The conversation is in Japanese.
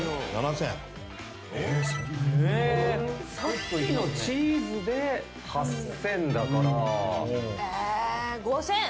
・さっきのチーズで８，０００だから。